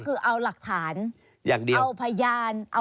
ถึงเอาหลักฐานอย่างเดียวอย่างเดียว